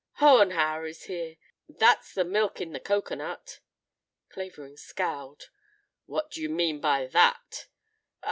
"Hohenhauer is here. That's the milk in the cocoanut." Clavering scowled. "What do you mean by that?"